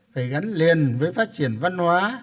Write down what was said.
phải gắn liền với phát triển văn hóa